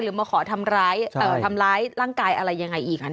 หรือมาขอทำร้ายร่างกายอะไรอย่างไรอีกอะเนาะ